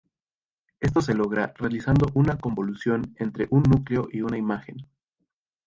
Esto se logra realizando una convolución entre un núcleo y una imagen.